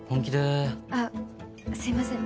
あっすいません。